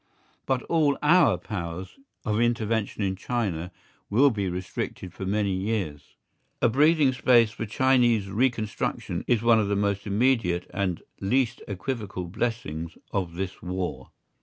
But all our powers of intervention in China will be restricted for many years. A breathing space for Chinese reconstruction is one of the most immediate and least equivocal blessings of this war.